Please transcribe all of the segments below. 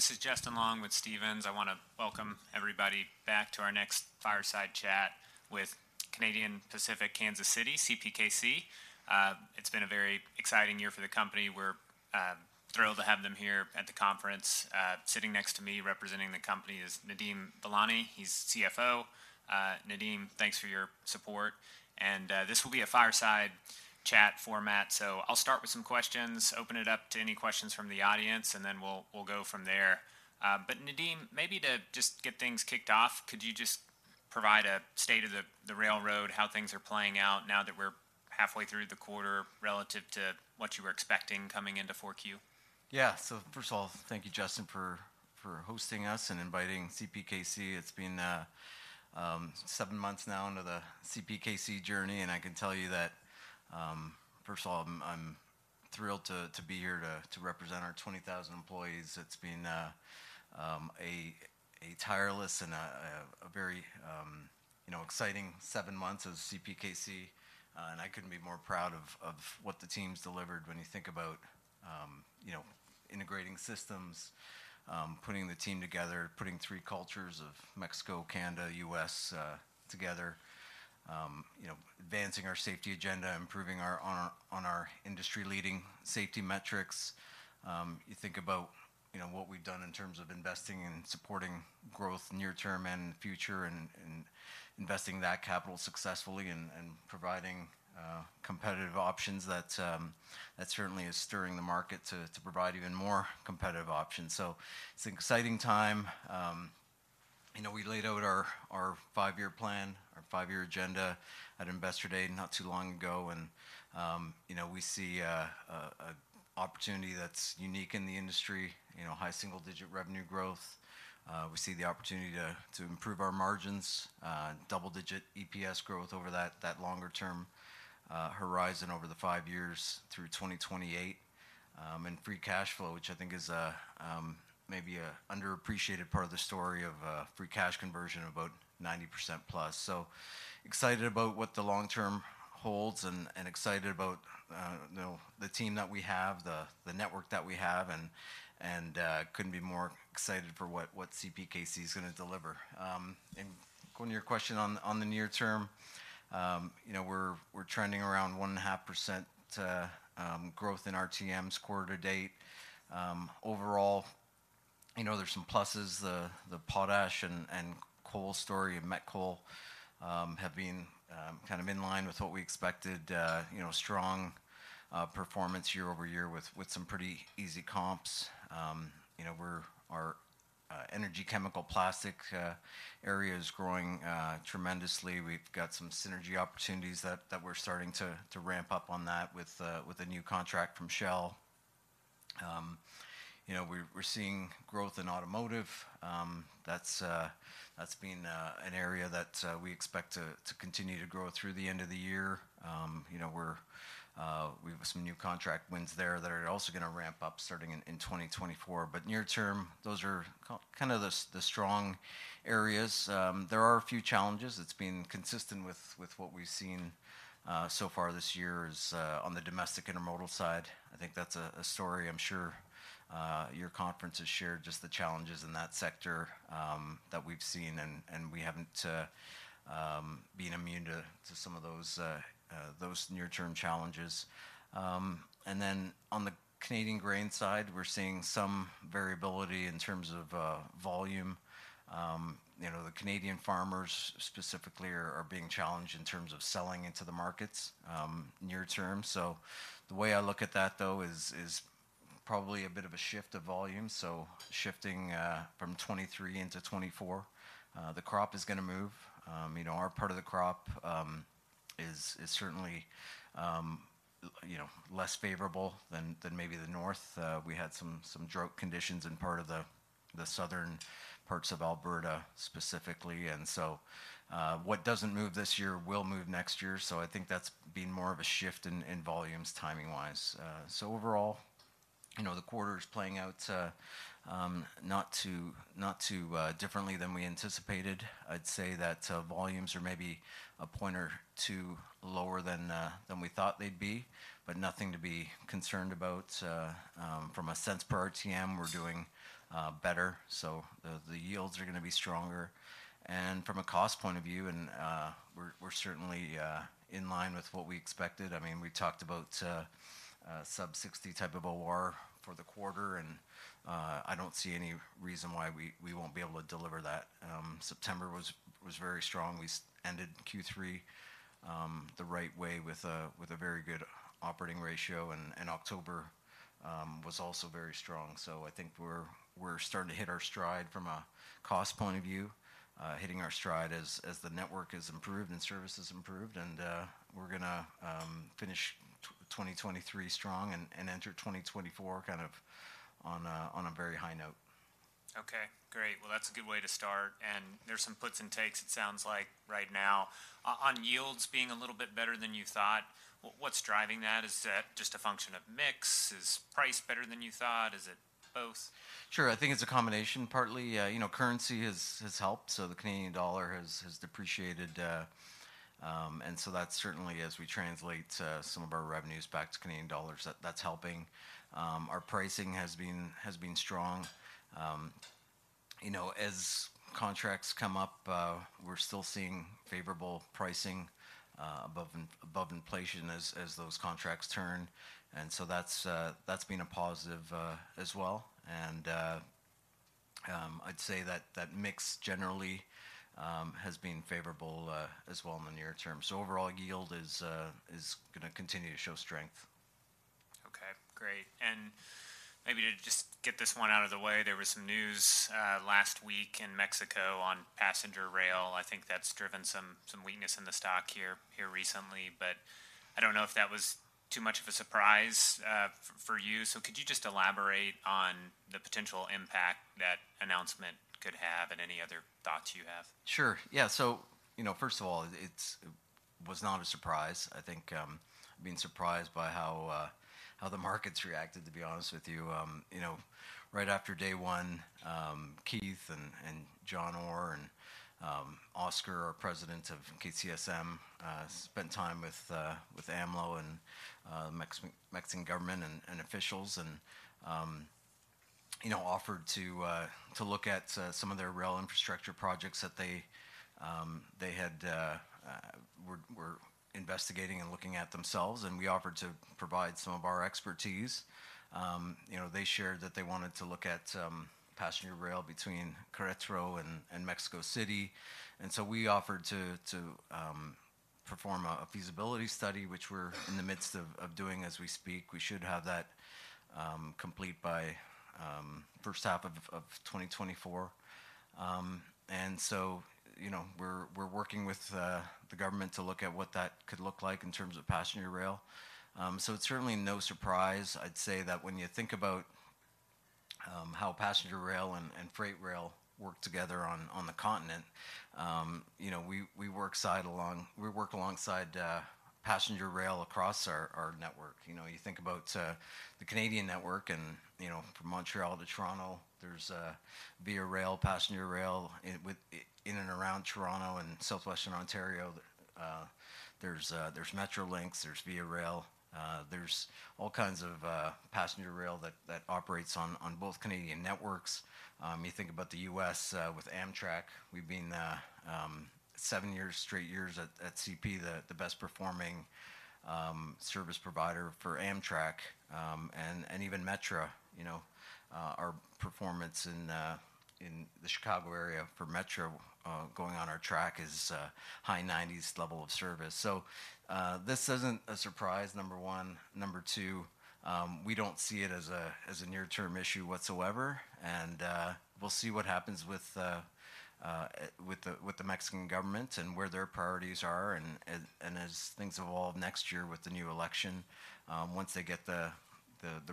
This is Justin Long with Stephens. I want to welcome everybody back to our next fireside chat with Canadian Pacific Kansas City, CPKC. It's been a very exciting year for the company. We're thrilled to have them here at the conference. Sitting next to me, representing the company is Nadeem Velani. He's CFO. Nadeem, thanks for your support. This will be a fireside chat format, so I'll start with some questions, open it up to any questions from the audience, and then we'll go from there. But Nadeem, maybe to just get things kicked off, could you just provide a state of the railroad, how things are playing out now that we're halfway through the quarter relative to what you were expecting coming into 4Q? Yeah. So first of all, thank you, Justin, for hosting us and inviting CPKC. It's been seven months now into the CPKC journey, and I can tell you that first of all, I'm thrilled to be here to represent our 20,000 employees. It's been a tireless and a very you know, exciting seven months as CPKC, and I couldn't be more proud of what the team's delivered when you think about you know, integrating systems, putting the team together, putting three cultures of Mexico, Canada, U.S., together. You know, advancing our safety agenda, improving on our industry-leading safety metrics. You think about, you know, what we've done in terms of investing and supporting growth near term and future, and investing that capital successfully and providing competitive options that certainly is stirring the market to provide even more competitive options. So it's an exciting time. You know, we laid out our five-year plan, our five-year agenda at Investor Day, not too long ago, and you know, we see an opportunity that's unique in the industry, you know, high single-digit revenue growth. We see the opportunity to improve our margins, double-digit EPS growth over that longer-term horizon over the five years through 2028. And free cash flow, which I think is maybe an underappreciated part of the story of free cash conversion of about 90%+. So excited about what the long term holds and excited about, you know, the team that we have, the network that we have, and couldn't be more excited for what CPKC is gonna deliver. And going to your question on the near term, you know, we're trending around 1.5% growth in RTMs quarter to date. Overall, you know, there's some pluses. The potash and coal story of met coal have been kind of in line with what we expected, you know, strong performance year-over-year with some pretty easy comps. You know, we're our energy, chemical, plastic area is growing tremendously. We've got some synergy opportunities that we're starting to ramp up on that with a new contract from Shell. You know, we're seeing growth in automotive. That's been an area that we expect to continue to grow through the end of the year. You know, we have some new contract wins there that are also gonna ramp up starting in 2024. But near term, those are kind of the strong areas. There are a few challenges. It's been consistent with what we've seen so far this year is on the domestic intermodal side. I think that's a story I'm sure your conference has shared, just the challenges in that sector that we've seen, and we haven't been immune to some of those near-term challenges. And then on the Canadian grain side, we're seeing some variability in terms of volume. You know, the Canadian farmers specifically are being challenged in terms of selling into the markets near term. So the way I look at that, though, is probably a bit of a shift of volume, so shifting from 2023 into 2024. The crop is gonna move. You know, our part of the crop is certainly you know, less favorable than maybe the North. We had some drought conditions in part of the southern parts of Alberta specifically, and so, what doesn't move this year will move next year. So I think that's been more of a shift in volumes timing-wise. So overall, you know, the quarter is playing out not too differently than we anticipated. I'd say that volumes are maybe a point or two lower than we thought they'd be, but nothing to be concerned about. From a cents per RTM, we're doing better, so the yields are gonna be stronger. And from a cost point of view, we're certainly in line with what we expected. I mean, we talked about a sub-60 type of OR for the quarter, and I don't see any reason why we won't be able to deliver that. September was very strong. We ended Q3 the right way with a very good operating ratio, and October was also very strong. So I think we're starting to hit our stride from a cost point of view, hitting our stride as the network has improved and service has improved, and we're gonna finish 2023 strong and enter 2024 kind of on a very high note. Okay, great. Well, that's a good way to start, and there's some puts and takes, it sounds like, right now. On yields being a little bit better than you thought, what's driving that? Is that just a function of mix? Is price better than you thought? Is it both? Sure. I think it's a combination. Partly, you know, currency has helped, so the Canadian dollar has depreciated, and so that's certainly as we translate some of our revenues back to Canadian dollars, that's helping. Our pricing has been strong. You know, as contracts come up, we're still seeing favorable pricing above inflation as those contracts turn, and so that's been a positive as well. I'd say that mix generally has been favorable as well in the near term. So overall yield is gonna continue to show strength. Okay, great. And maybe to just get this one out of the way, there was some news last week in Mexico on passenger rail. I think that's driven some weakness in the stock here recently, but I don't know if that was too much of a surprise for you. So could you just elaborate on the potential impact that announcement could have, and any other thoughts you have? Sure. Yeah, so you know, first of all, it was not a surprise. I think, I'm being surprised by how the markets reacted, to be honest with you. You know, right after day one, Keith and John Orr, and Oscar, our President of KCSM, spent time with AMLO and Mexican government and officials and, you know, offered to look at some of their rail infrastructure projects that they were investigating and looking at themselves, and we offered to provide some of our expertise. You know, they shared that they wanted to look at passenger rail between Querétaro and Mexico City, and so we offered to perform a feasibility study, which we're in the midst of doing as we speak. We should have that complete by first half of 2024. And so, you know, we're working with the government to look at what that could look like in terms of passenger rail. So it's certainly no surprise. I'd say that when you think about how passenger rail and freight rail work together on the continent, you know, we work side along-- we work alongside passenger rail across our network. You know, you think about the Canadian network and, you know, from Montreal to Toronto, there's VIA Rail, passenger rail in, with, in and around Toronto and Southwestern Ontario, there's Metrolinx, there's VIA Rail, there's all kinds of passenger rail that operates on both Canadian networks. You think about the U.S., with Amtrak, we've been seven straight years at CP, the best performing service provider for Amtrak. And even Metra, you know, our performance in the Chicago area for Metra, going on our track is high nineties level of service. So, this isn't a surprise, number one. Number two, we don't see it as a near-term issue whatsoever, and we'll see what happens with the Mexican government and where their priorities are, and as things evolve next year with the new election, once they get the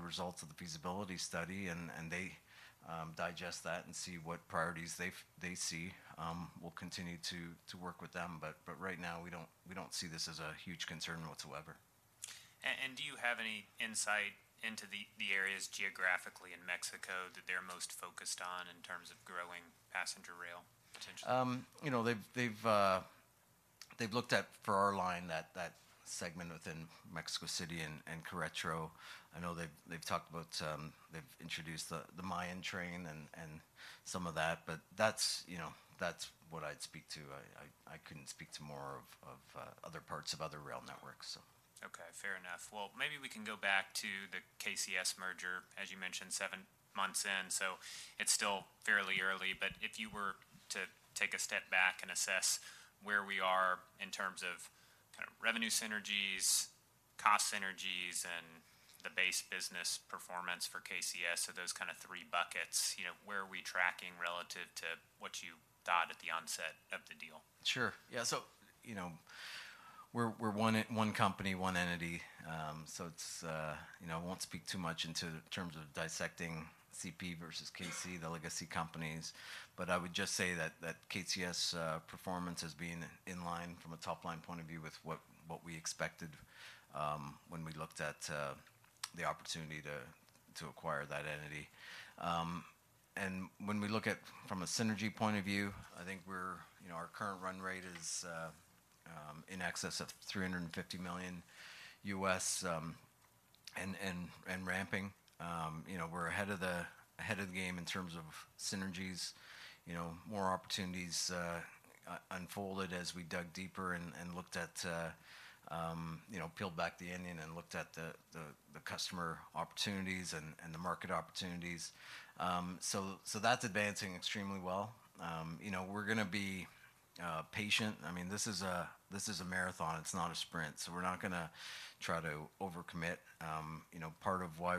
results of the feasibility study and they digest that and see what priorities they see, we'll continue to work with them. But right now, we don't see this as a huge concern whatsoever. Do you have any insight into the areas geographically in Mexico that they're most focused on in terms of growing passenger rail potentially? You know, they've looked at for our line, that segment within Mexico City and Querétaro. I know they've talked about. They've introduced the Mayan Train and some of that, but that's, you know, that's what I'd speak to. I couldn't speak to more of other parts of other rail networks, so. Okay, fair enough. Well, maybe we can go back to the KCS merger. As you mentioned, seven months in, so it's still fairly early. But if you were to take a step back and assess where we are in terms of kind of revenue synergies, cost synergies, and the base business performance for KCS, so those kind of three buckets, you know, where are we tracking relative to what you thought at the onset of the deal? Sure. Yeah, so you know, we're one company, one entity. So it's, you know, I won't speak too much into terms of dissecting CP versus KC, the legacy companies, but I would just say that KCS' performance has been in line from a top-line point of view with what we expected when we looked at the opportunity to acquire that entity. And when we look at from a synergy point of view, I think we're, you know, our current run rate is in excess of $350 million and ramping. You know, we're ahead of the game in terms of synergies. You know, more opportunities unfolded as we dug deeper and looked at, you know, peeled back the onion and looked at the customer opportunities and the market opportunities. So that's advancing extremely well. You know, we're gonna be patient. I mean, this is a marathon, it's not a sprint, so we're not gonna try to overcommit. You know, part of why,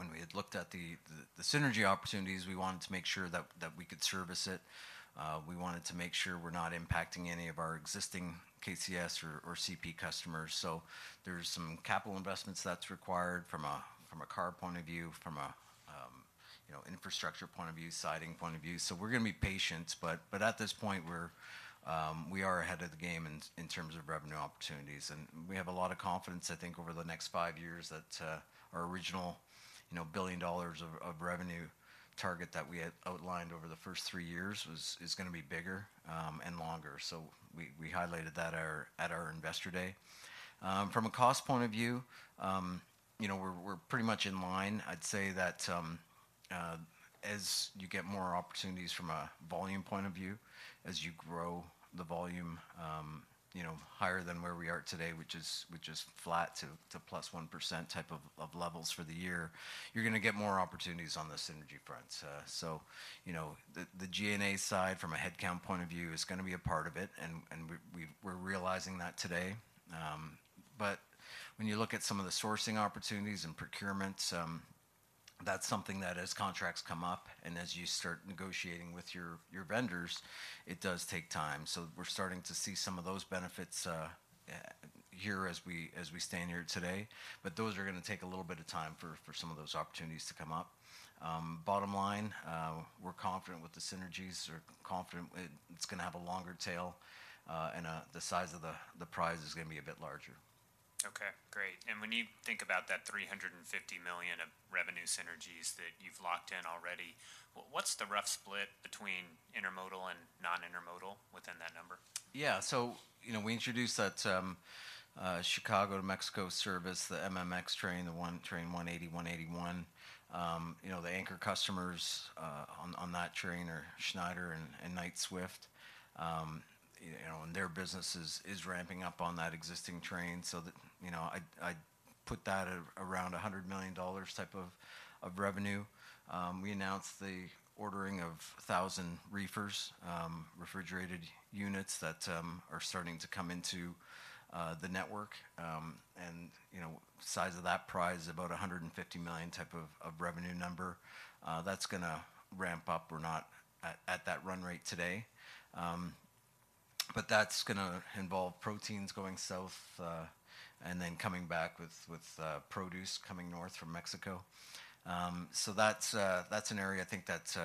when we had looked at the synergy opportunities, we wanted to make sure that we could service it. We wanted to make sure we're not impacting any of our existing KCS or CP customers. So there's some capital investments that's required from a car point of view, from a infrastructure point of view, siding point of view. So we're gonna be patient, but, but at this point, we're, we are ahead of the game in, in terms of revenue opportunities. And we have a lot of confidence, I think, over the next five years, that, our original, you know, $1 billion of revenue target that we had outlined- the first three years was, is gonna be bigger, and longer. So we, we highlighted that at our, at our Investor Day. From a cost point of view, you know, we're, we're pretty much in line. I'd say that, as you get more opportunities from a volume point of view, as you grow the volume, you know, higher than where we are today, which is, which is flat to +1% type of levels for the year, you're gonna get more opportunities on the synergy front. So, you know, the G&A side, from a headcount point of view, is gonna be a part of it, and we're realizing that today. But when you look at some of the sourcing opportunities and procurements, that's something that as contracts come up and as you start negotiating with your vendors, it does take time. So we're starting to see some of those benefits here, as we stand here today. But those are gonna take a little bit of time for some of those opportunities to come up. Bottom line, we're confident with the synergies. We're confident it's gonna have a longer tail, and the size of the prize is gonna be a bit larger. Okay, great. And when you think about that $350 million of revenue synergies that you've locked in already, what, what's the rough split between intermodal and non-intermodal within that number? Yeah. So, you know, we introduced that Chicago to Mexico service, the MMX train, Train 180, 181. You know, the anchor customers on that train are Schneider and Knight-Swift. You know, and their business is ramping up on that existing train, so that. You know, I'd put that at around $100 million type of revenue. We announced the ordering of 1,000 reefers, refrigerated units that are starting to come into the network. And, you know, the size of that prize, about $150 million type of revenue number. That's gonna ramp up. We're not at that run rate today, but that's gonna involve proteins going south, and then coming back with produce coming north from Mexico. So that's an area I think that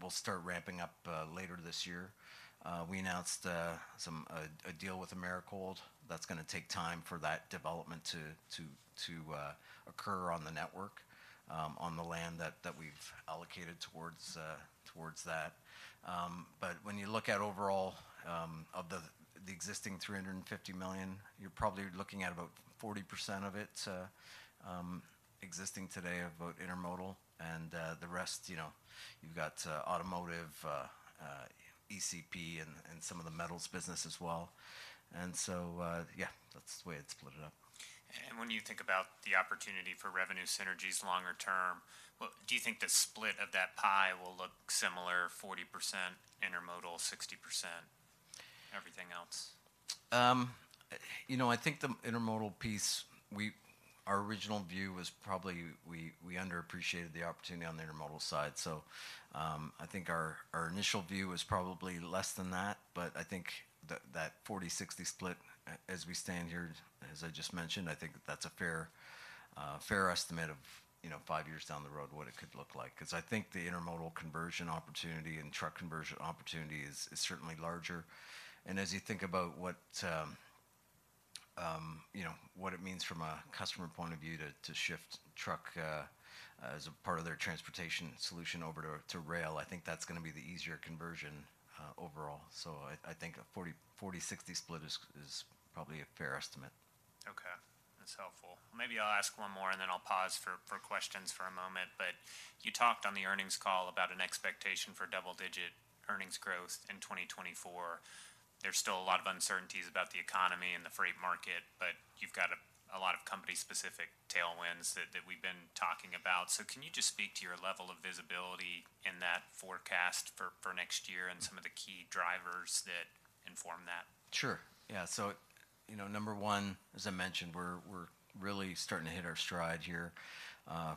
we'll start ramping up later this year. We announced a deal with Americold that's gonna take time for that development to occur on the network, on the land that we've allocated towards that. But when you look at overall of the existing 350 million, you're probably looking at about 40% of it existing today about intermodal. And the rest, you know, you've got automotive, ECP and some of the metals business as well. And so yeah, that's the way it's split it up. When you think about the opportunity for revenue synergies longer term, what do you think the split of that pie will look similar, 40% intermodal, 60% everything else? You know, I think the intermodal piece, our original view was probably we underappreciated the opportunity on the intermodal side. So, I think our initial view was probably less than that, but I think that 40-60 split, as we stand here, as I just mentioned, I think that's a fair estimate of, you know, five years down the road, what it could look like. 'Cause I think the intermodal conversion opportunity and truck conversion opportunity is certainly larger. And as you think about what, you know, what it means from a customer point of view to shift truck as a part of their transportation solution over to rail, I think that's gonna be the easier conversion, overall. So I think a 40-60 split is probably a fair estimate. Okay, that's helpful. Maybe I'll ask one more, and then I'll pause for, for questions for a moment, but you talked on the earnings call about an expectation for double-digit earnings growth in 2024. There's still a lot of uncertainties about the economy and the freight market, but you've got a, a lot of company-specific tailwinds that, that we've been talking about. So can you just speak to your level of visibility in that forecast for, for next year and some of the key drivers that inform that? Sure. Yeah. So, you know, number one, as I mentioned, we're really starting to hit our stride here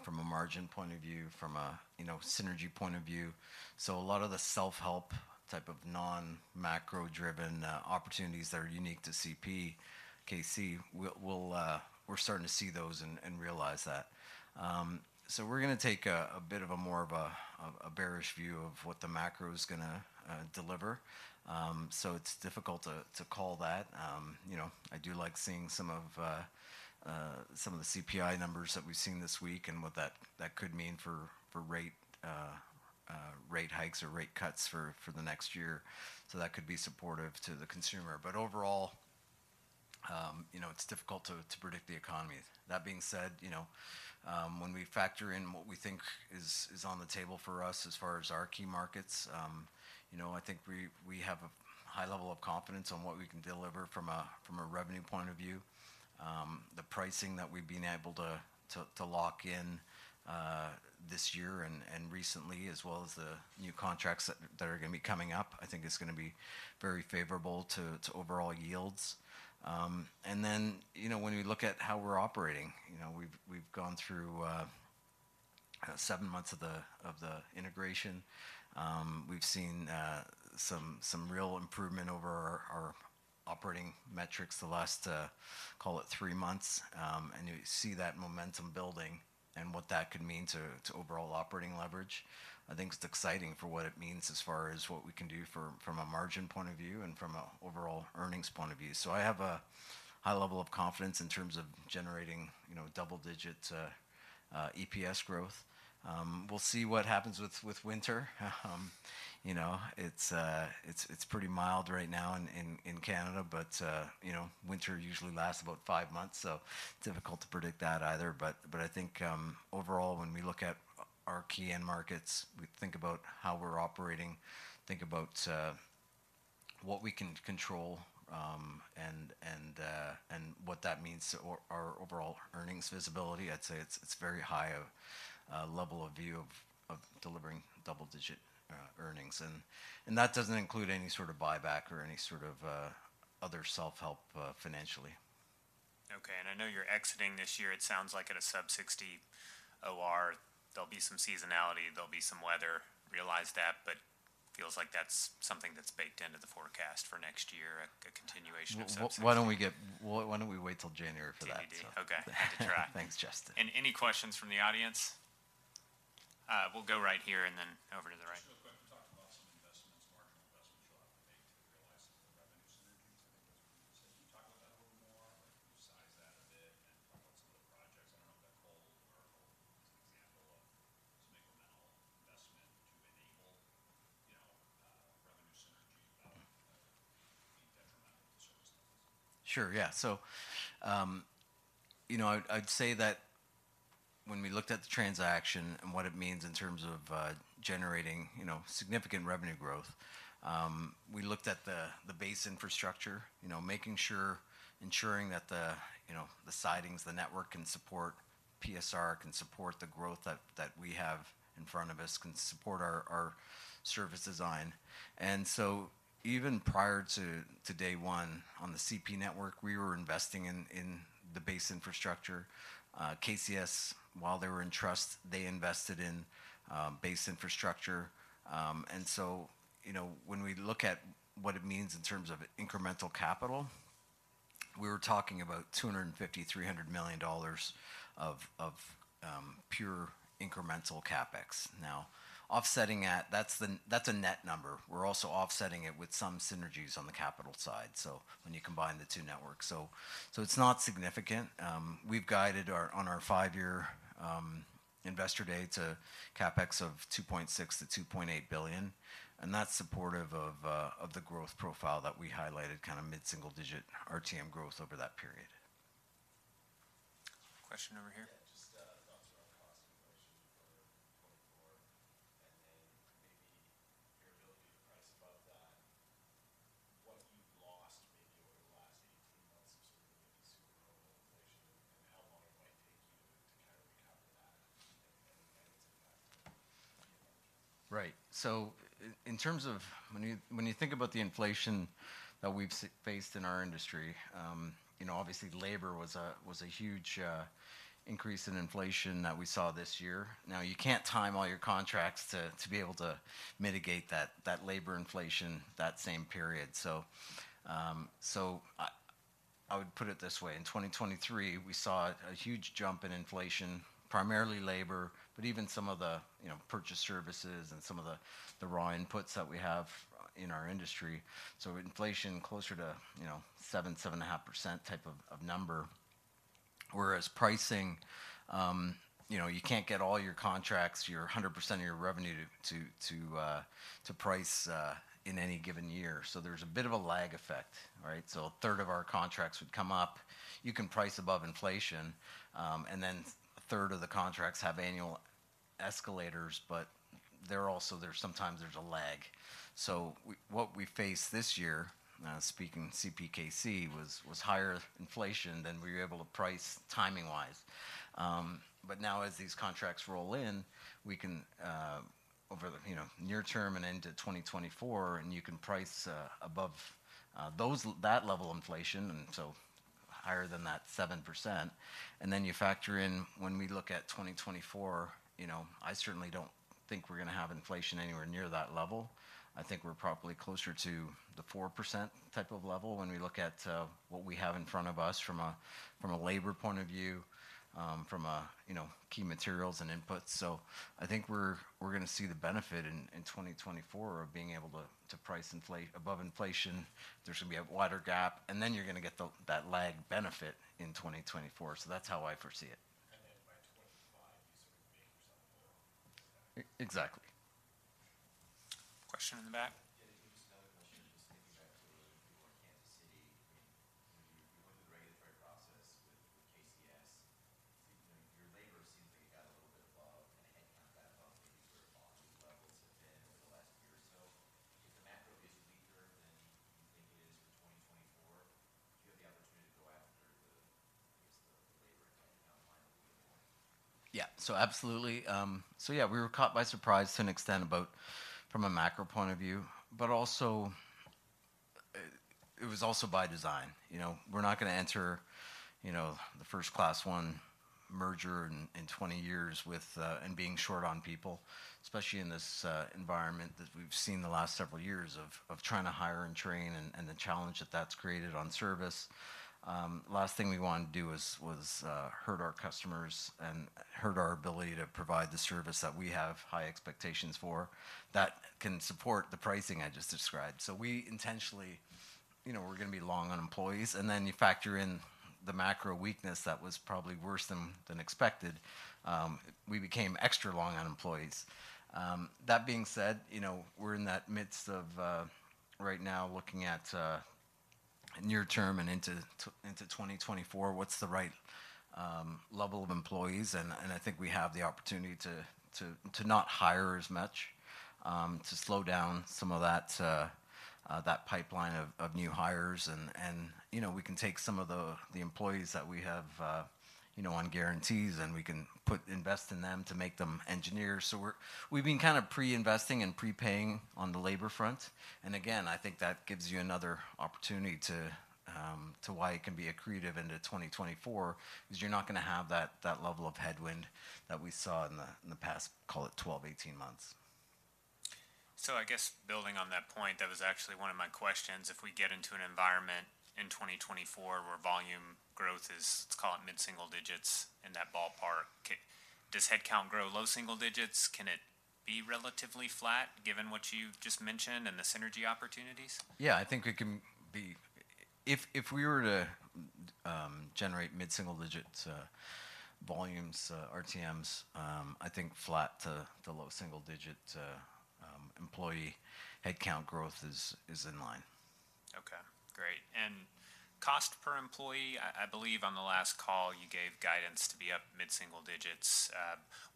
from a margin point of view, from a you know, synergy point of view. So a lot of the self-help type of non-macro-driven opportunities that are unique to CPKC. We're starting to see those and realize that. So we're gonna take a bit of a more bearish view of what the macro is gonna deliver. So it's difficult to call that. You know, I do like seeing some of the CPI numbers that we've seen this week, and what that could mean for rate hikes or rate cuts for the next year. So that could be supportive to the consumer. But overall, you know, it's difficult to predict the economy. That being said, you know, when we factor in what we think is on the table for us as far as our key markets, you know, I think we have a high level of confidence on what we can deliver from a revenue point of view. The pricing that we've been able to lock in this year and recently, as well as the new contracts that are gonna be coming up, I think is gonna be very favorable to overall yields. And then, you know, when we look at how we're operating, you know, we've gone through seven months of the integration. We've seen some real improvement over our operating metrics the last, call it three months. And you see that momentum building and what that could mean to overall operating leverage. I think it's exciting for what it means as far as what we can do from a margin point of view and from an overall earnings point of view. So I have a high level of confidence in terms of generating, you know, double-digit EPS growth. We'll see what happens with winter. You know, it's pretty mild right now in Canada, but you know, winter usually lasts about five months, so difficult to predict that either. But I think overall, when we look at our key end markets, we think about how we're operating, think about what we can control, and what that means to our overall earnings visibility. I'd say it's very high level of view of delivering double-digit earnings. And that doesn't include any sort of buyback or any sort of other self-help financially. Okay, and I know you're exiting this year. It sounds like at a sub-60 OR. There'll be some seasonality, there'll be some weather. Realize that, but feels like that's something that's baked into the forecast for next year, a continuation of sub-60- Why, why don't we wait till January for that? Okay. Had to try. Thanks, Justin. Any questions from the audience? We'll go right here, and then over to the right. Just real quick. You talked about some investments, marginal investments you'll have to make to realize the revenue synergies. I think that's what you said. Can you talk about that a little more? Like, can you size that a bit and what some of the projects? I don't know if the Americold is an example of some incremental investment to enable, you know, revenue synergy, be detrimental to service levels. Sure, yeah. So, you know, I'd say that when we looked at the transaction and what it means in terms of generating, you know, significant revenue growth, we looked at the base infrastructure, you know, making sure ensuring that the, you know, the sidings, the network can support, PSR can support the growth that we have in front of us, can support our service design. And so even prior to day one on the CP network, we were investing in the base infrastructure. KCS, while they were in trust, they invested in base infrastructure. And so, you know, when we look at what it means in terms of incremental capital, we were talking about $250-$300 million of pure incremental CapEx. Now, offsetting that, that's a net number. We're also offsetting it with some synergies on the capital side, so when you combine the two networks. So it's not significant. We've guided on our five-year Investor Day to CapEx of $2.6-$2.8 billion, and that's supportive of the growth profile that we highlighted, kind of mid-single digit RTM growth over that period. Question over here? Yeah, just, thoughts around cost inflation for 2024, and then maybe your ability to price above that, what you've lost maybe over the last 18 months or so with the super global inflation, and how long it might take you to kind of recover that and, and, and its impact on your margins? Right. So in terms of when you, when you think about the inflation that we've faced in our industry, you know, obviously labor was a huge increase in inflation that we saw this year. Now, you can't time all your contracts to be able to mitigate that labor inflation that same period. So, I would put it this way: in 2023, we saw a huge jump in inflation, primarily labor, but even some of the, you know, purchased services and some of the raw inputs that we have in our industry. So inflation closer to, you know, 7-7.5% type of number. Whereas pricing, you know, you can't get all your contracts, your 100% of your revenue to price in any given year. So there's a bit of a lag effect, right? So a third of our contracts would come up. You can price above inflation, and then a third of the contracts have annual escalators, but they're also... There's sometimes a lag. So what we faced this year, speaking CPKC, was higher inflation than we were able to price timing-wise. But now as these contracts roll in, we can, over the, you know, near term and into 2024, and you can price above that level of inflation, and so higher than that 7%. And then you factor in, when we look at 2024, you know, I certainly don't think we're gonna have inflation anywhere near that level. I think we're probably closer to the 4% type of level when we look at what we have in front of us from a labor point of view, from a you know key materials and inputs. So I think we're gonna see the benefit in 2024 of being able to price inflate above inflation. There should be a wider gap, and then you're gonna get that lag benefit in 2024. So that's how I foresee it. And then by 2025, you sort of being yourself more? Exactly. Question in the back? Last thing we wanted to do was hurt our customers and hurt our ability to provide the service that we have high expectations for, that can support the pricing I just described. So we intentionally, you know, we're gonna be long on employees, and then you factor in the macro weakness that was probably worse than expected, we became extra long on employees. That being said, you know, we're in the midst of right now looking at near term and into 2024, what's the right level of employees? And I think we have the opportunity to not hire as much, to slow down some of that pipeline of new hires. And you know, we can take some of the employees that we have, you know, on guarantees, and we can invest in them to make them engineers. So we've been kind of pre-investing and prepaying on the labor front. And again, I think that gives you another opportunity to why it can be accretive into 2024, 'cause you're not gonna have that level of headwind that we saw in the past, call it 12, 18 months. I guess building on that point, that was actually one of my questions. If we get into an environment in 2024, where volume growth is, let's call it mid-single digits, in that ballpark, does headcount grow low single digits? Can it be relatively flat, given what you've just mentioned and the synergy opportunities? Yeah, I think it can be. If we were to generate mid-single digits volumes, RTMs, I think flat to low single digit employee headcount growth is in line. Okay, great. And cost per employee, I believe on the last call, you gave guidance to be up mid-single digits.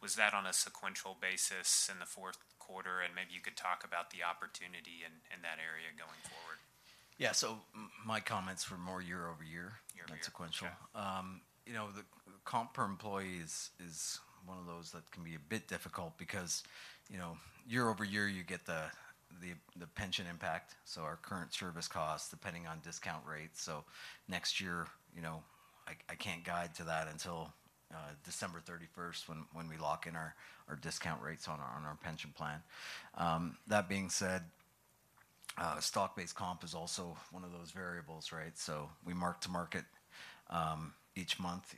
Was that on a sequential basis in the fourth quarter? And maybe you could talk about the opportunity in that area going forward. Yeah. So my comments were more year-over-year- year-over-year... not sequential. Yeah. You know, the comp per employee is one of those that can be a bit difficult because, you know, year-over-year, you get the pension impact, so our current service costs, depending on discount rates. So next year, you know, I can't guide to that until December 31st, when we lock in our discount rates on our pension plan. That being said, stock-based comp is also one of those variables, right? So we mark to market each month,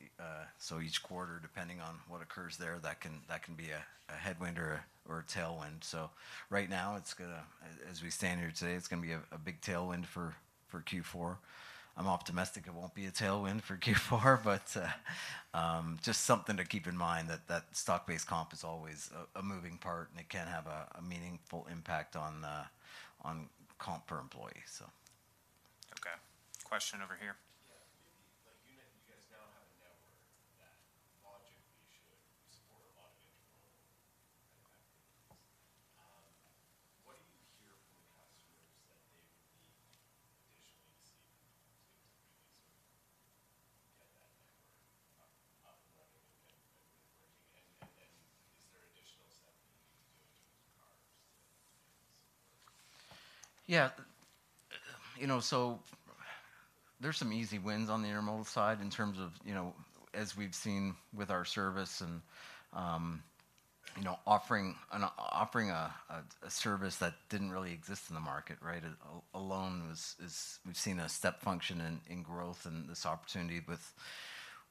so each quarter, depending on what occurs there, that can be a headwind or a tailwind. So right now, it's gonna- as we stand here today, it's gonna be a big tailwind for Q4. I'm optimistic it won't be a tailwind for Q4, but just something to keep in mind, that stock-based comp is always a moving part, and it can have a meaningful impact on comp per employee, so. Okay. Question over here? Yeah. Maybe like you know, you guys now have a network that logically should support a lot of intermodal kind of activities. What do you hear from customers that they would need additionally to see things really sort of get that network up and running, and is there additional stuff you need to do in those cars to, you know, support? Yeah. You know, so there's some easy wins on the intermodal side in terms of, you know, as we've seen with our service and, offering a service that didn't really exist in the market, right? Train 180 alone, we've seen a step function in growth and this opportunity with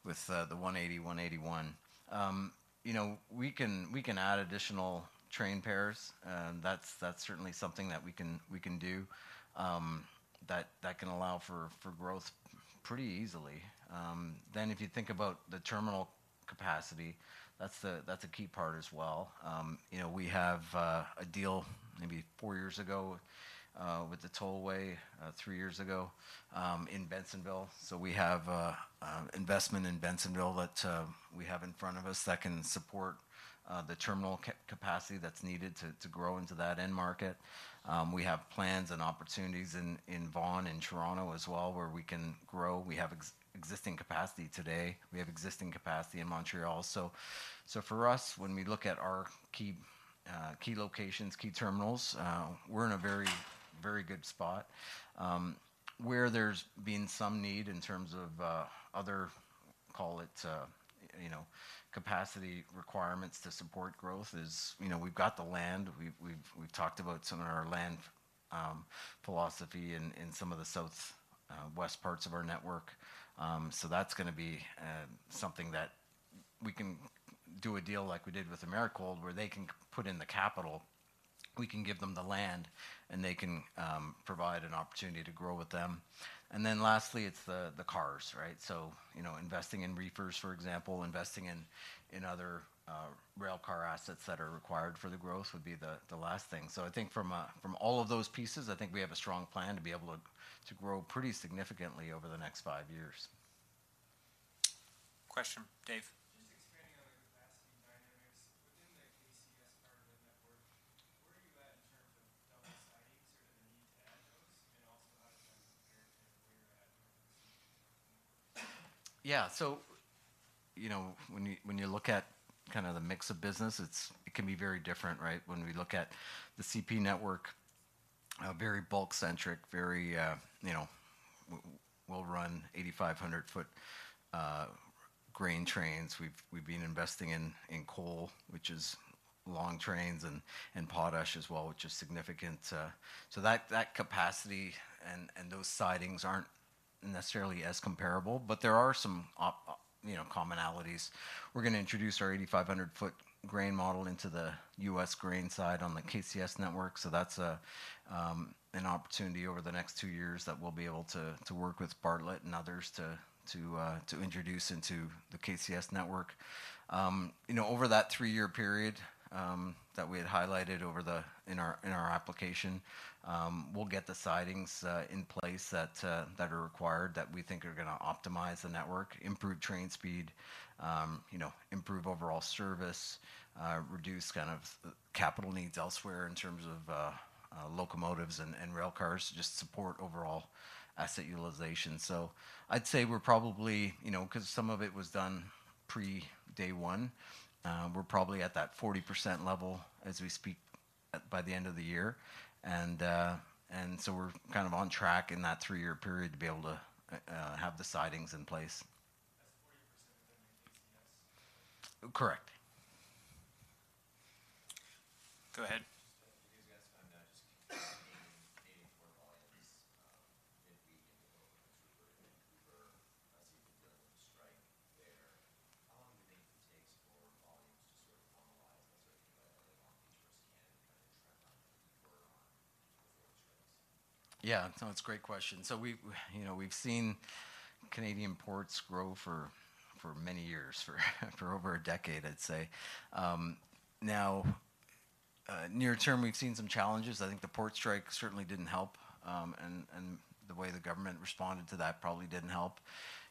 the Train 180, Train 181. You know, we can add additional train pairs, and that's certainly something that we can do, that can allow for growth pretty easily. Then, if you think about the terminal capacity, that's a key part as well. You know, we have a deal maybe three years ago with the tollway in Bensenville. So we have an investment in Bensenville that we have in front of us that can support the terminal capacity that's needed to grow into that end market. We have plans and opportunities in Vaughan and Toronto as well, where we can grow. We have existing capacity today. We have existing capacity in Montreal. So for us, when we look at our key locations, key terminals, we're in a very good spot. Where there's been some need in terms of other, call it, you know, capacity requirements to support growth is, you know, we've got the land. We've talked about some of our land philosophy in some of the southwest parts of our network. So that's gonna be something that we can do a deal like we did with Americold, where they can put in the capital, we can give them the land, and they can provide an opportunity to grow with them. And then lastly, it's the cars, right? So, you know, investing in reefers, for example, investing in other rail car assets that are required for the growth would be the last thing. So I think from all of those pieces, I think we have a strong plan to be able to grow pretty significantly over the next five years. Question, Dave? Just expanding on the capacity dynamics. Within the KCS part of the network, where are you at in terms of double sidings or the need to add those, and also how does that compare to where you're at? Yeah. So, you know, when you, when you look at kinda the mix of business, it's it can be very different, right? When we look at the CP network, very bulk-centric, very, you know, we'll run 8,500-foot grain trains. We've been investing in coal, which is long trains, and potash as well, which is significant. So that capacity and those sidings aren't necessarily as comparable, but there are some commonalities. You know, we're gonna introduce our 8,500-foot grain model into the U.S. grain side on the KCS network. So that's an opportunity over the next two years that we'll be able to work with Bartlett and others to introduce into the KCS network. You know, over that three-year period that we had highlighted in our application, we'll get the sidings in place that are required, that we think are gonna optimize the network, improve train speed, you know, improve overall service, reduce kind of capital needs elsewhere in terms of locomotives and rail cars, to just support overall asset utilization. So I'd say we're probably, you know, 'cause some of it was done pre-day one, we're probably at that 40% level as we speak, by the end of the year. And so we're kind of on track in that three-year period to be able to have the sidings in place. That's 40% of the KCS? Correct. Go ahead. You guys found out just more volumes, if we can go over to Vancouver, see the strike there. How long do you think it takes for volumes to sort of normalize and sort of get back on track on before the choice? Yeah. No, it's a great question. So we've, you know, we've seen Canadian ports grow for many years, for over a decade, I'd say. Now, near term, we've seen some challenges. I think the port strike certainly didn't help, and the way the government responded to that probably didn't help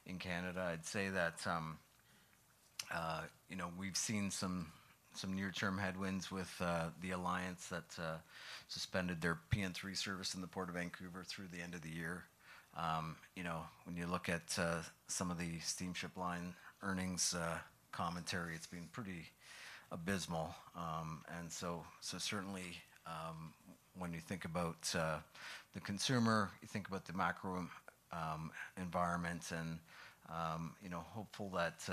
in Canada. I'd say that, you know, we've seen some near-term headwinds with THE Alliance that suspended their PN3 service in the Port of Vancouver through the end of the year. You know, when you look at some of the steamship line earnings commentary, it's been pretty abysmal. So certainly, when you think about the consumer, you think about the macro environment and, you know, hopeful that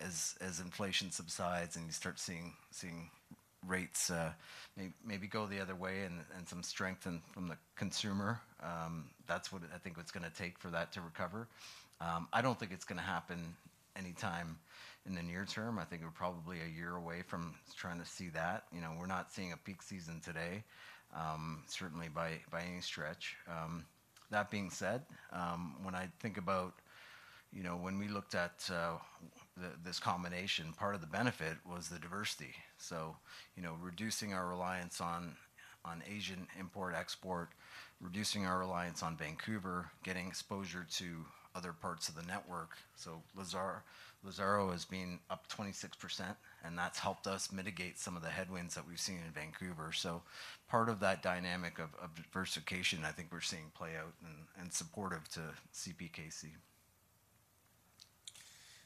as inflation subsides and you start seeing rates maybe go the other way and some strength from the consumer, that's what I think it's gonna take for that to recover. I don't think it's gonna happen anytime in the near term. I think we're probably a year away from trying to see that. You know, we're not seeing a peak season today, certainly by any stretch. That being said, when I think about, you know, when we looked at this combination, part of the benefit was the diversity. So, you know, reducing our reliance on Asian import-export, reducing our reliance on Vancouver, getting exposure to other parts of the network. So Lázaro has been up 26%, and that's helped us mitigate some of the headwinds that we've seen in Vancouver. So part of that dynamic of diversification, I think we're seeing play out and supportive to CPKC.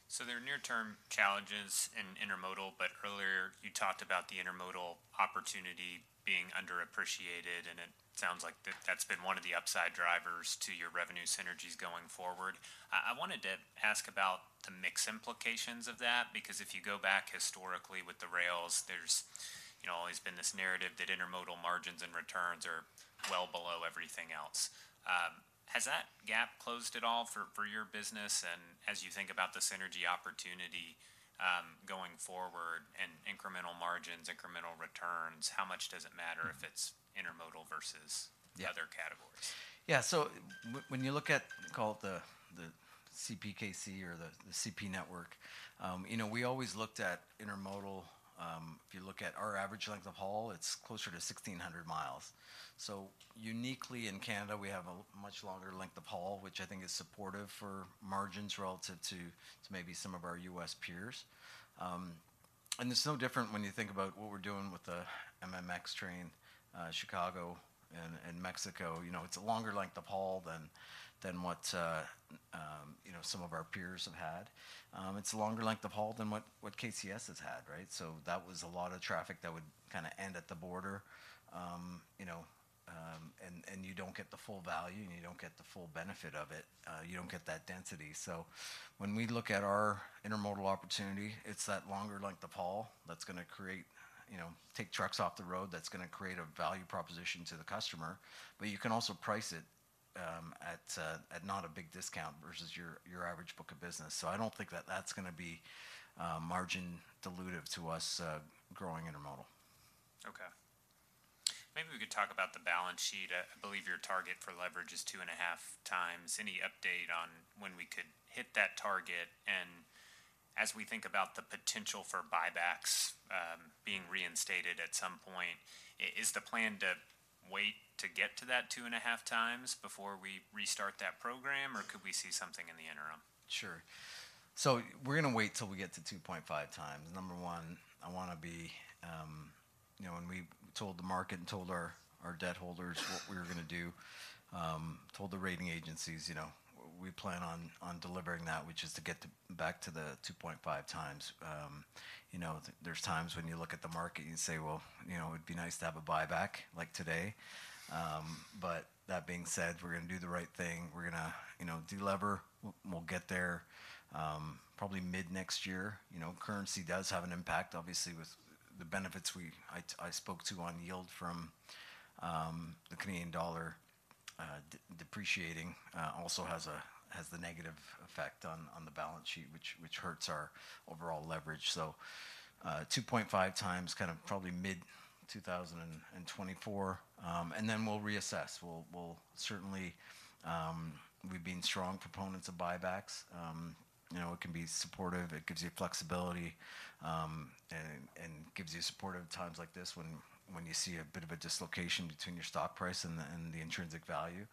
So there are near-term challenges in intermodal, but earlier, you talked about the intermodal opportunity being underappreciated, and it sounds like that - that's been one of the upside drivers to your revenue synergies going forward. I wanted to ask about the mix implications of that, because if you go back historically with the rails, there's, you know, always been this narrative that intermodal margins and returns are well below everything else. Has that gap closed at all for your business? And as you think about the synergy opportunity going forward and incremental margins, incremental returns, how much does it matter if it's intermodal versus- Yeah.... other categories? Yeah. So when you look at, call it the, the CPKC or the, the CP network, you know, we always looked at intermodal. If you look at our average length of haul, it's closer to 1,600 miles. So uniquely, in Canada, we have a much longer length of haul, which I think is supportive for margins relative to, to maybe some of our U.S. peers. And it's no different when you think about what we're doing with the MMX train, Chicago and, and Mexico. You know, it's a longer length of haul than, than what, you know, some of our peers have had. It's a longer length of haul than what, what KCS has had, right? So that was a lot of traffic that would kinda end at the border. You know, and you don't get the full value, and you don't get the full benefit of it. You don't get that density. So when we look at our intermodal opportunity, it's that longer length of haul that's gonna create, you know, take trucks off the road. That's gonna create a value proposition to the customer, but you can also price it at not a big discount versus your average book of business. So I don't think that's gonna be margin dilutive to us, growing intermodal. Okay. Maybe we could talk about the balance sheet. I believe your target for leverage is 2.5x. Any update on when we could hit that target? And as we think about the potential for buybacks, being reinstated at some point, is the plan to wait to get to that 2.5x before we restart that program, or could we see something in the interim? Sure. So we're gonna wait till we get to 2.5x. Number one, I wanna be... You know, when we told the market and told our, our debt holders what we were gonna do, told the rating agencies, you know, we plan on, on delivering that, which is to get the, back to the 2.5x. You know, there's times when you look at the market and you say, "Well, you know, it'd be nice to have a buyback," like today. But that being said, we're gonna do the right thing. We're gonna, you know, delever. We'll, we'll get there, probably mid-next year. You know, currency does have an impact, obviously, with the benefits we-- I spoke to on yield from, the Canadian dollar.... Depreciating also has the negative effect on the balance sheet, which hurts our overall leverage. So, 2.5x, kind of, probably mid-2024, and then we'll reassess. We'll certainly, we've been strong proponents of buybacks. You know, it can be supportive, it gives you flexibility, and gives you support at times like this when you see a bit of a dislocation between your stock price and the intrinsic value.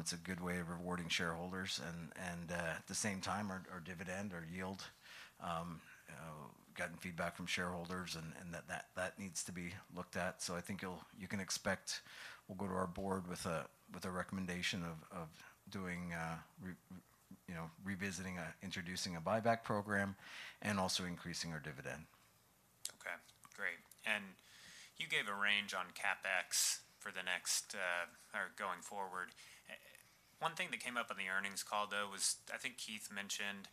It's a good way of rewarding shareholders and, at the same time, our dividend, our yield, getting feedback from shareholders and that needs to be looked at. So I think you'll—you can expect we'll go to our board with a recommendation of doing, you know, revisiting introducing a buyback program and also increasing our dividend. Okay, great. And you gave a range on CapEx for the next, or going forward. One thing that came up on the earnings call, though, was I think Keith mentioned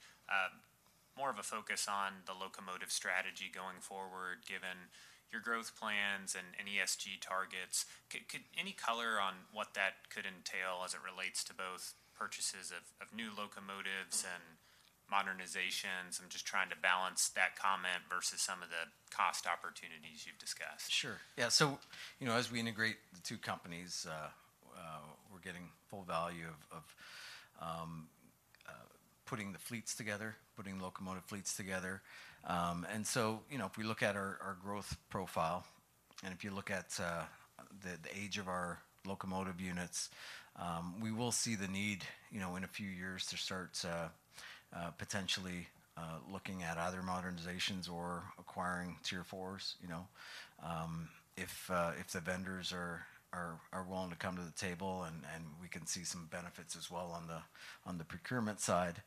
more of a focus on the locomotive strategy going forward, given your growth plans and ESG targets. Could any color on what that could entail as it relates to both purchases of new locomotives and modernizations? I'm just trying to balance that comment versus some of the cost opportunities you've discussed. Sure. Yeah, so, you know, as we integrate the two companies, we're getting full value of putting the fleets together, putting locomotive fleets together. And so, you know, if we look at our growth profile, and if you look at the age of our locomotive units, we will see the need, you know, in a few years to start potentially looking at either modernizations or acquiring Tier 4s. You know, if the vendors are willing to come to the table and we can see some benefits as well on the procurement side,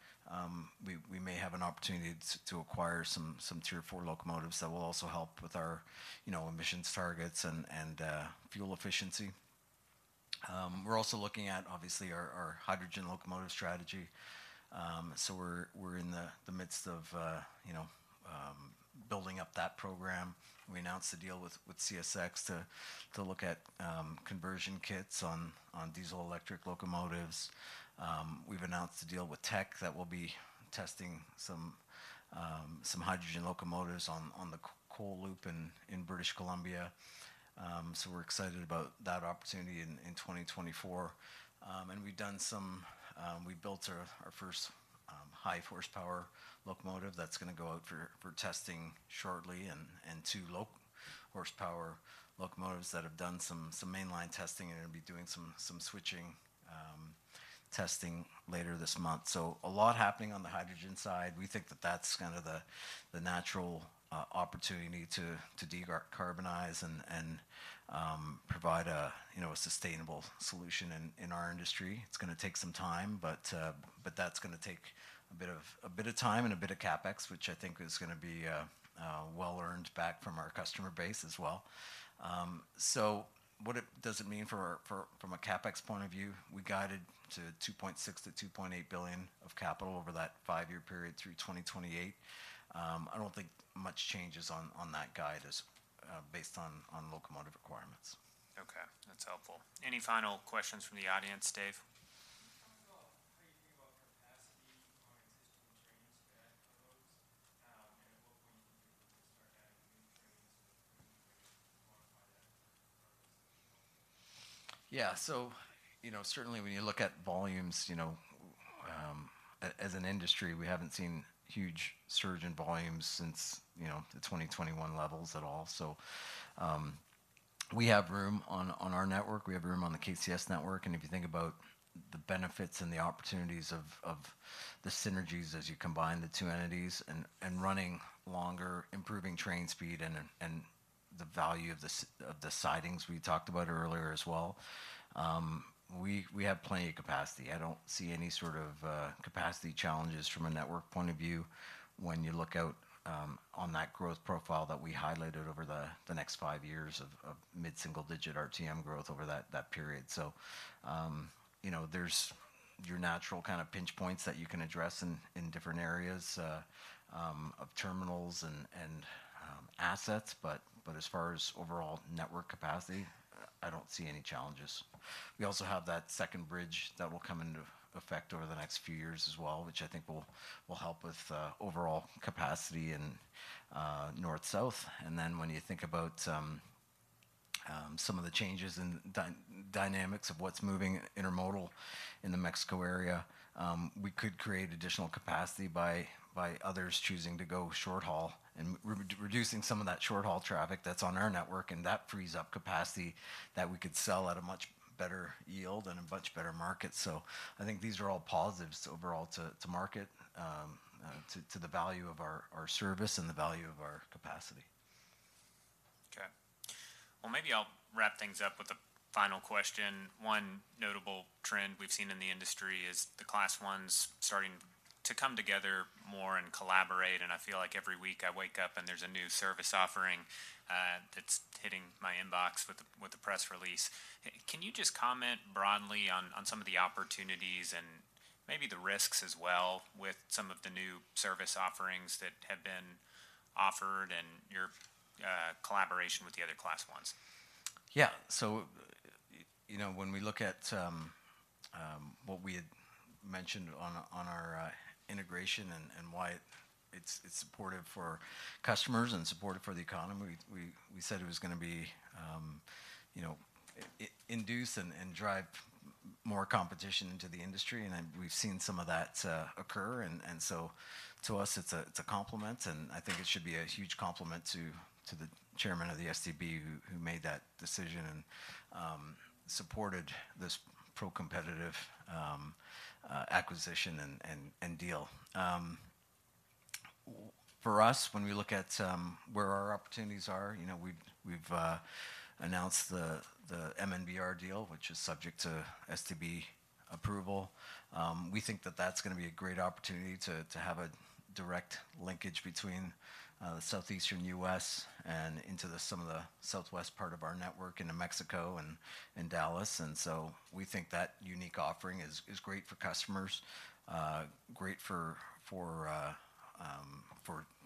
we may have an opportunity to acquire some Tier 4 locomotives that will also help with our, you know, emissions targets and fuel efficiency. We're also looking at, obviously, our hydrogen locomotive strategy. So we're in the midst of, you know, building up that program. We announced a deal with CSX to look at conversion kits on diesel-electric locomotives. We've announced a deal with Teck that will be testing some hydrogen locomotives on the coal loop in British Columbia. So we're excited about that opportunity in 2024. And we've done some... We built our first high-horsepower locomotive that's gonna go out for testing shortly, and two low-horsepower locomotives that have done some mainline testing and are gonna be doing some switching testing later this month. So a lot happening on the hydrogen side. We think that that's kind of the natural opportunity to de-carbonize and provide a you know a sustainable solution in our industry. It's gonna take some time, but that's gonna take a bit of time and a bit of CapEx, which I think is gonna be well earned back from our customer base as well. So what does it mean from a CapEx point of view? We guided to $2.6 billion-$2.8 billion of capital over that five-year period through 2028. I don't think much changes on that guide as based on locomotive requirements. Okay, that's helpful. Any final questions from the audience, Dave? How about, how you think about capacity on existing trains, and at what point do you start adding new trains to modify that? Yeah. So, you know, certainly when you look at volumes, you know, as an industry, we haven't seen huge surge in volumes since, you know, the 2021 levels at all. So, we have room on our network, we have room on the KCS network, and if you think about the benefits and the opportunities of the synergies as you combine the two entities and running longer, improving train speed, and the value of the sidings we talked about earlier as well, we have plenty of capacity. I don't see any sort of capacity challenges from a network point of view when you look out on that growth profile that we highlighted over the next five years of mid-single digit RTM growth over that period. So, you know, there's your natural kind of pinch points that you can address in different areas of terminals and assets, but as far as overall network capacity, I don't see any challenges. We also have that second bridge that will come into effect over the next few years as well, which I think will help with overall capacity in north-south. And then when you think about some of the changes in dynamics of what's moving intermodal in the Mexico area, we could create additional capacity by others choosing to go short haul and reducing some of that short-haul traffic that's on our network, and that frees up capacity that we could sell at a much better yield and a much better market. So I think these are all positives overall to the market to the value of our service and the value of our capacity. Okay. Well, maybe I'll wrap things up with a final question. One notable trend we've seen in the industry is the Class 1s starting to come together more and collaborate, and I feel like every week I wake up and there's a new service offering that's hitting my inbox with the, with the press release. Can you just comment broadly on some of the opportunities and maybe the risks as well with some of the new service offerings that have been offered and your collaboration with the other Class 1s? Yeah. So, you know, when we look at what we had mentioned on our integration and why it's supportive for customers and supportive for the economy, we said it was gonna be, you know, induce and drive more competition into the industry, and then we've seen some of that occur. So to us, it's a compliment, and I think it should be a huge compliment to the chairman of the STB who made that decision and supported this pro-competitive acquisition and deal. For us, when we look at where our opportunities are, you know, we've announced the MNBR deal, which is subject to STB approval. We think that that's gonna be a great opportunity to have a direct linkage between the Southeastern U.S. and into some of the Southwest part of our network into Mexico and in Dallas. And so we think that unique offering is great for customers, great for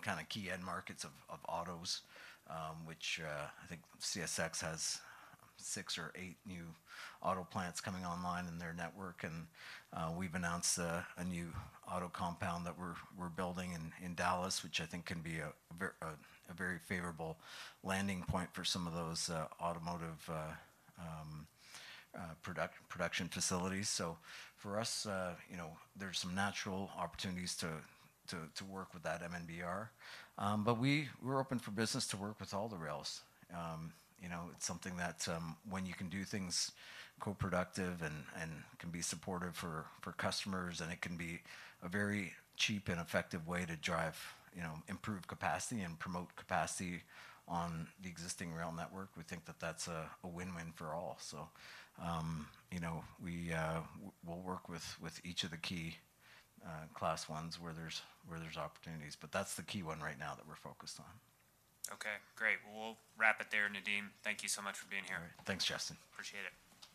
kinda key end markets of autos, which I think CSX has six or eight new auto plants coming online in their network. And we've announced a new auto compound that we're building in Dallas, which I think can be a ver- a very favorable landing point for some of those automotive product- production facilities. So for us, you know, there's some natural opportunities to work with that MNBR. But we're open for business to work with all the rails. You know, it's something that, when you can do things co-productive and can be supportive for customers, and it can be a very cheap and effective way to drive, you know, improve capacity and promote capacity on the existing rail network, we think that that's a win-win for all. So, you know, we'll work with each of the key Class 1s where there's opportunities, but that's the key one right now that we're focused on. Okay, great. We'll wrap it there, Nadeem. Thank you so much for being here. All right. Thanks, Justin. Appreciate it.